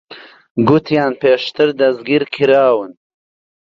گوتیان پێشتر دەستگیر کراون.